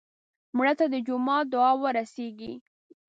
مړه ته د جومات دعا ورسېږي